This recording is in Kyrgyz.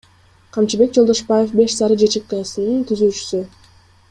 Камчыбек Жолдошбаев — Беш Сары ЖЧКсынын түзүүчүсү.